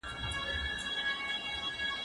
زه اوس واښه راوړم!.